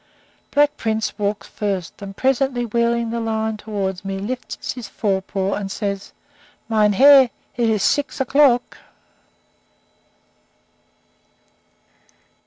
Black Prince walks first, and, presently wheeling the line toward me, lifts his fore paw and says: "Mein Herr, it is six o'clock."